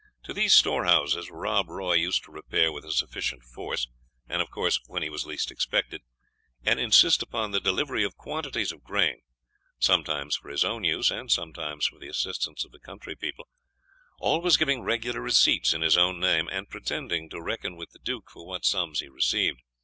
To these storehouses Rob Roy used to repair with a sufficient force, and of course when he was least expected, and insist upon the delivery of quantities of grain sometimes for his own use, and sometimes for the assistance of the country people; always giving regular receipts in his own name, and pretending to reckon with the Duke for what sums he received.